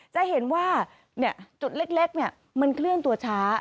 จะเห็นว่าจุดเล็กมันเคลื่อนตัวช้า